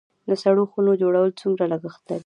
د سړو خونو جوړول څومره لګښت لري؟